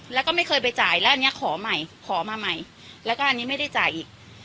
แล้วก็ไม่เคยไปจ่ายแล้วอันนี้ขอใหม่ขอมาใหม่แล้วก็อันนี้ไม่ได้จ่ายอีก